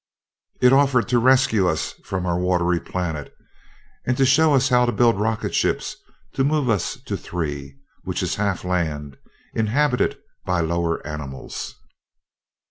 It offered to 'rescue' us from our watery planet, and to show us how to build rocket ships to move us to Three, which is half land, inhabited by lower animals."